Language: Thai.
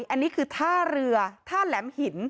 อันนี้คือท่าเรือท่าแหลมหิน